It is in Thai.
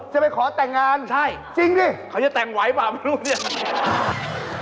จะไปขอแต่งงานใช่จริงดิเขาจะแต่งไหวเปล่าไม่รู้เนี่ย